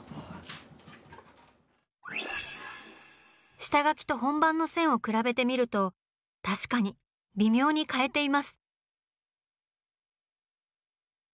下描きと本番の線を比べてみると確かに微妙に変えています！